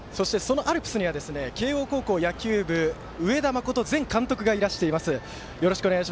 そして、そのアルプスには慶応高校野球部うえだ元監督がいらしています。